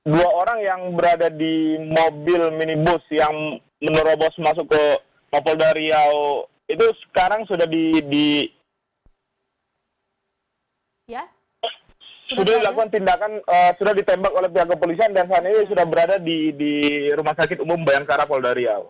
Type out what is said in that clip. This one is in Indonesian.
dua orang yang berada di mobil minibus yang menerobos masuk ke mapolda riau itu sekarang sudah dilakukan tindakan sudah ditembak oleh pihak kepolisian dan saat ini sudah berada di rumah sakit umum bayangkara polda riau